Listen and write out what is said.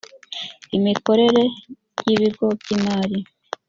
imikorere y ibigo by imari